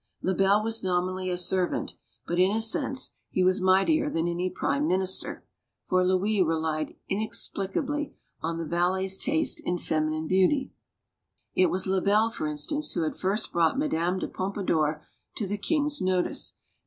( Lebel was nominally a servant, but, in a sense, he v as mightier than any prime minister. For Louis relied haplicitly on the valet's taste in feminine beauty. It was Lebel, for instance, who had first brought Madame d': Pompadour to the king's notice.